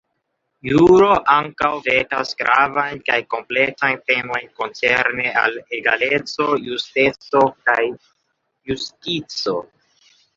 Juro ankaŭ vekas gravajn kaj kompleksajn temojn koncerne al egaleco, justeco, kaj justico.